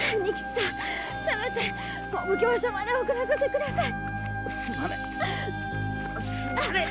せめて奉行所まで送らせて下さい。